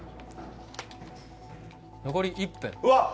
残り１分。